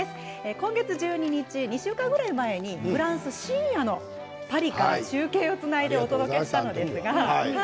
今月１２日、２週間ぐらい前にフランス、深夜のパリから中継をつないでお届けしました。